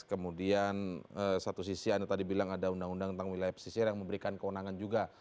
kemudian satu sisi anda tadi bilang ada undang undang tentang wilayah pesisir yang memberikan kewenangan juga